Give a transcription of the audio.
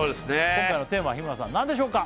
今回のテーマは日村さん何でしょうか？